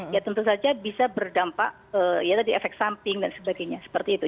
ya tentu saja bisa berdampak ya tadi efek samping dan sebagainya seperti itu